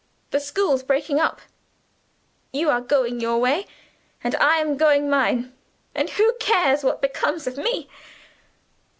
The school's breaking up; you are going your way, and I am going mine and who cares what becomes of me?